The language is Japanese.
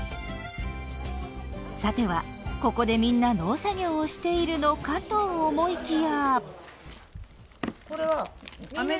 さてはここでみんな農作業をしているのかと思いきや。